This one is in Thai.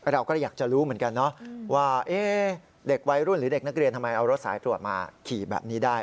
เราก็เลยอยากจะรู้เหมือนกันเนาะว่าเด็กวัยรุ่นหรือเด็กนักเรียนทำไมเอารถสายตรวจมาขี่แบบนี้ได้